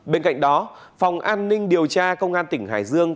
bên cạnh đó phòng an ninh điều tra công an tỉnh hải dương